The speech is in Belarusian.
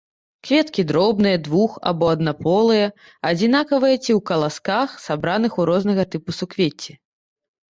Кветкі дробныя, двух- або аднаполыя, адзінкавыя ці ў каласках, сабраных у рознага тыпу суквецці.